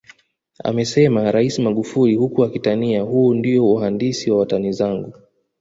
Amesema Rais Magufuli huku akitania huu ndiyo uhandisi wa watani zangu